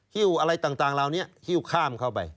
ฮิ้วอะไรต่างเหล่านี้ฮิ้วข้ามเข้าไป